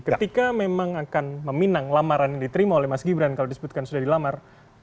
ketika memang akan meminang lamaran yang diterima oleh mas gibran kalau disebutkan sudah dilamar